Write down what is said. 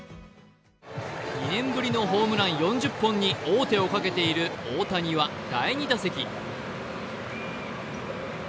２年ぶりのホームラン４０本に王手をかけている大谷は第２打席。